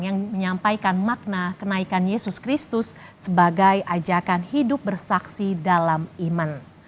yang menyampaikan makna kenaikan yesus kristus sebagai ajakan hidup bersaksi dalam iman